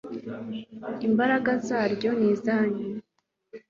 Imbaraga zaryo ni izanyu.